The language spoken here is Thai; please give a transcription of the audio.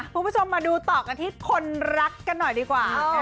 คุณผู้ชมมาดูต่อกันที่คนรักกันหน่อยดีกว่า